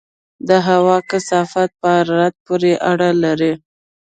د هوا کثافت په حرارت پورې اړه لري.